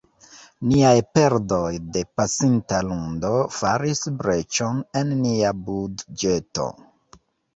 Niaj perdoj de pasinta lundo faris breĉon en nia budĝeto.